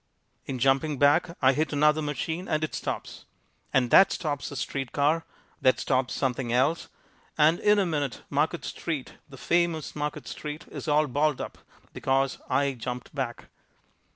In jumping back I hit another machine and it stops. And that stops a street car. That stops something else. And in a minute Market street, the famous Market street, is all balled up because I jumped back.